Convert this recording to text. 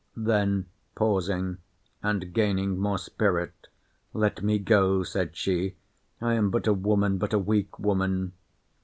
Then pausing, and gaining more spirit, Let me go, said she: I am but a woman—but a weak woman.